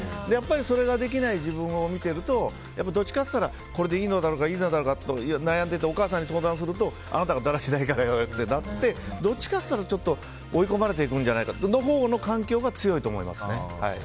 それができない自分を見ているとどっちかって言ったらこれでいいのだろうかと悩んでお母さんに相談するとあなたがだらしないからとなってちょっと追い込まれていくんじゃないかという環境のほうが強いと思いますね。